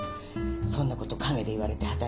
そんなこと陰で言われて働くのは。